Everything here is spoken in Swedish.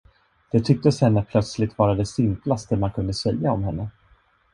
Det tycktes henne plötsligt vara det simplaste man kunde säga om henne.